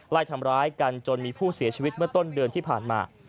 ไล่ทำร้ายกันจนมีผู้เสียชีวิตเมื่อต้นเดือนที่ผ่านมา